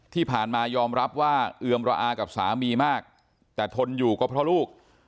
ที่ผ่านมายอมรับว่าเอือมระอากับสามีมากแต่ทนอยู่ก็เพราะลูก